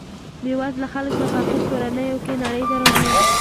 بې وزله خلک په فقیر کورنیو کې نړۍ ته راځي.